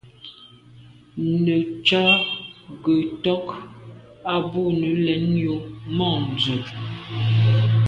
Nə̀ cà gə tɔ́k á bû nə̀ lɛ̌n yù môndzə̀.